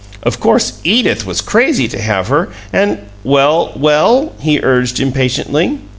Of course, EDITH was crazy to have her, and " "Well, well?" he urged, impatiently.